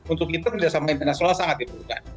untuk itu kerjasama internasional sangat diperlukan